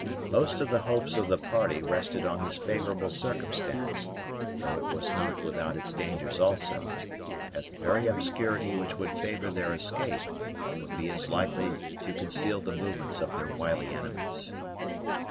Most of the hopes of the party rested on this favorable circumstance, though it was not without its dangers also, as the very obscurity which would favor their escape would be as likely to conceal the movements of their wily enemies.